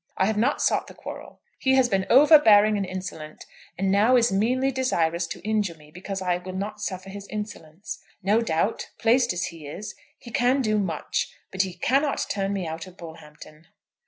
I have not sought the quarrel. He has been overbearing and insolent, and now is meanly desirous to injure me because I will not suffer his insolence. No doubt, placed as he is, he can do much; but he cannot turn me out of Bullhampton."